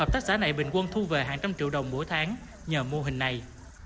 một trăm linh triệu đồng mỗi tháng nhờ mô hình này